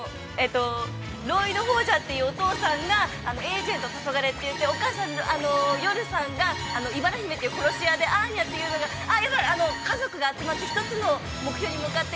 ◆ロイド・フォージャーというお父さんがエージェントって行ってお母さんのヨルさんがいばらひめという殺し屋で昔のアーニャが家族が集まって１つの目標に向かって。